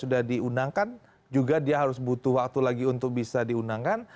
sudah diundangkan juga dia harus butuh waktu lagi untuk bisa diundangkan